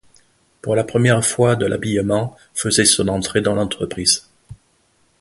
Pour la première fois de l'habillement faisait son entrée dans l'entreprise.